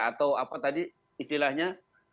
atau apa tadi istilahnya